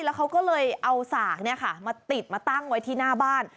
แล้วเขาก็เลยเอาสากมาติดมาตั้งไว้ที่หน้าบ้าน